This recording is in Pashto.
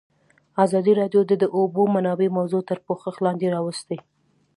ازادي راډیو د د اوبو منابع موضوع تر پوښښ لاندې راوستې.